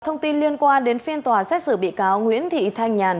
thông tin liên quan đến phiên tòa xét xử bị cáo nguyễn thị thanh nhàn